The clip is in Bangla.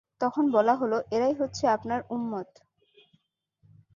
তখন বলা হল, এরাই হচ্ছে আপনার উম্মত।